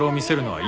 はい。